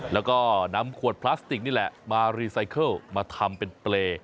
แล้วก็นำขวดพลาสติกนี่แหละมารีไซเคิลมาทำเป็นเปรย์